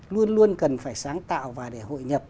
luôn luôn cần phải sáng tạo và để hội nhập